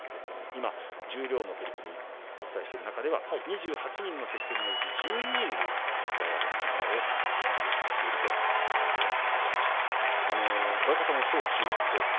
今、十両の取組をお伝えしている中では２８人のうち１２人が学生相撲を経験しているということです。